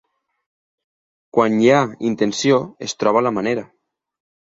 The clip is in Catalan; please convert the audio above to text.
Quan hi ha intenció es troba la manera.